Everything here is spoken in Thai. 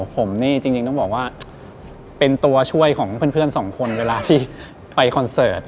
ผมนี่จริงต้องบอกว่าเป็นตัวช่วยของเพื่อนสองคนเวลาที่ไปคอนเสิร์ต